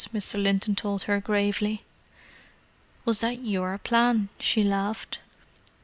Mr. Linton told her gravely. "Was that your plan?" she laughed.